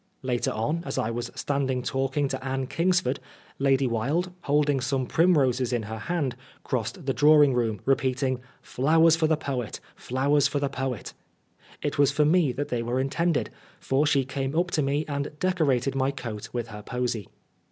Later on, as I was standing talking to Anne Kingsford, Lady Wilde, holding some prim roses in her hand, crossed the drawing room, repeating, " Flowers for the poet ! Flowers for the poet !" It was for me that they were intended, for she came up to me and decorated my coat with her posy.